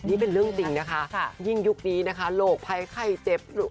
นี่เป็นเรื่องจริงนะคะยิ่งยุคนี้นะคะโรคภัยไข้เจ็บ